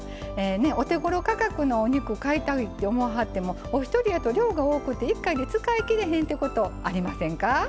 お手ごろ価格のお肉買いたいって思わはってもお一人やと、量が多くって１回で使い切れへんってことありませんか？